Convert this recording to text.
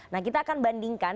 nah kita akan bandingkan